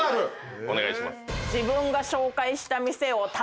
お願いします。